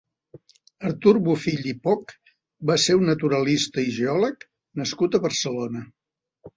Artur Bofill i Poch va ser un naturalista i geòleg nascut a Barcelona.